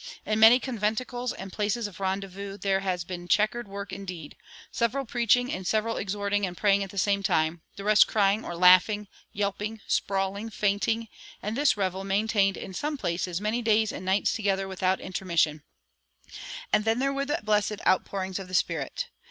In many conventicles and places of rendezvous there has been checkered work indeed, several preaching and several exhorting and praying at the same time, the rest crying or laughing, yelping, sprawling, fainting, and this revel maintained in some places many days and nights together without intermission; and then there were the blessed outpourings of the Spirit!...